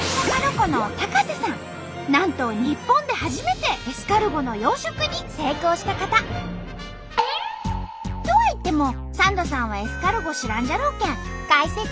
なんと日本で初めてエスカルゴの養殖に成功した方。とはいってもサンドさんはエスカルゴ知らんじゃろうけん解説！